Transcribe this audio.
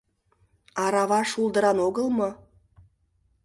Арава шулдыран огыл мо?